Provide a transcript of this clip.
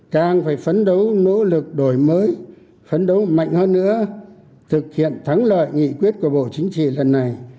càng phải phấn đấu nỗ lực đổi mới phấn đấu mạnh hơn nữa thực hiện thắng lợi nghị quyết của bộ chính trị lần này